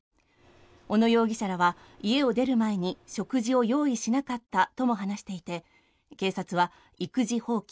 小野容疑者らは家を出る前に食事を用意しなかったとも話していて警察は育児放棄